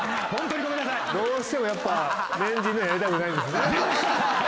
どうしてもやっぱメンディーのやりたくないんですね。